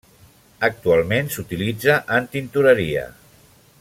Actualment s'utilitza en tintoreria.